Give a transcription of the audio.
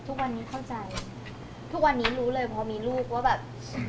ทุกวันนี้เข้าใจทุกวันนี้รู้เลยพอมีลูกว่าแบบ